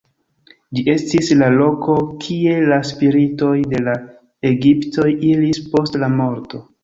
Ĝi estis la loko kie la spiritoj de la egiptoj iris post la morto.